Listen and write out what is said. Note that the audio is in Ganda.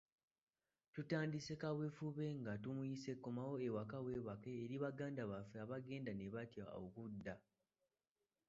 Tutandise kaweefube nga tumuyise Komawo eka weebake eri baganda baffe abaagenda nga batya okudda.